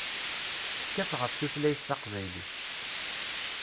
Tekkat ɣef tutlayt taqbaylit.